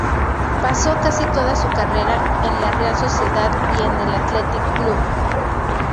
Pasó casi toda su carrera en la Real Sociedad y en el Athletic Club.